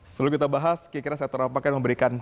selalu kita bahas kira kira sektor apa yang memberikan